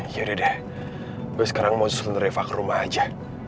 yaudah deh gue sekarang mau susun reva ke rumah aja